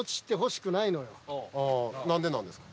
何でなんですか？